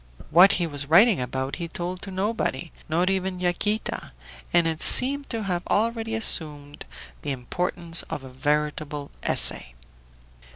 What he was writing about he told to nobody, not even Yaquita, and it seemed to have already assumed the importance of a veritable essay.